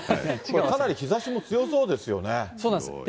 かなり日ざしも強そうですよね。